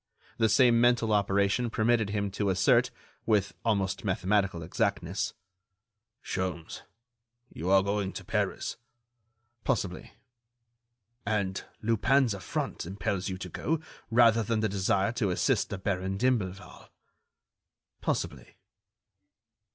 The same mental operation permitted him to assert, with almost mathematical exactness: "Sholmes, you are going to Paris." "Possibly." "And Lupin's affront impels you to go, rather than the desire to assist the Baron d'Imblevalle." "Possibly."